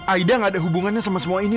aida gak ada hubungannya sama semua ini